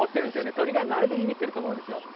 鳥があれでびびってると思うんですよ。